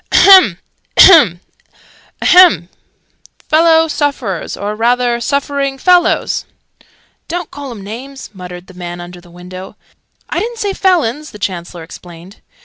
"Ahem! Ahem! Ahem! Fellow sufferers, or rather suffering fellows " ("Don't call 'em names!" muttered the man under the window. "I didn't say felons!" the Chancellor explained.)